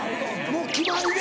もう決まりで。